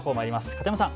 片山さん